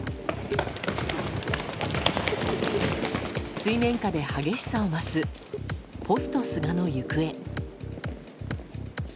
水面下で激しさを増すポスト菅の行方。